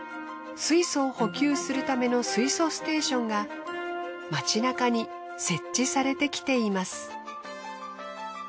水素を補給するための水素ステーションが街なかに設置されてきています。